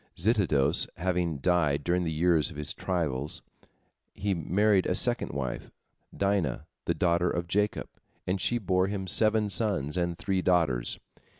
Zitidos having died during the years of his trials, he married a second wife, Dinah, the daughter of Jacob, and she bore him seven sons and three daughters.